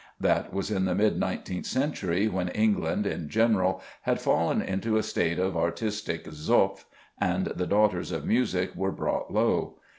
That was in the mid nineteenth century, when England in general had fallen into a state of artistic zopf and the daughters of music were brought low.